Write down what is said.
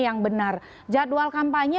yang benar jadwal kampanye